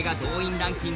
ランキング